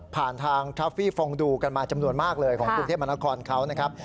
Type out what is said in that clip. ผ่านทางทัฟฟี่ฟองดูกันมาจำนวนมากเลยของกรุงเทพมนครเขานะครับ